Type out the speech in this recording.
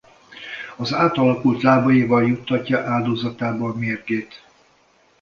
Az átalakult lábaival juttatja áldozatába a mérgét.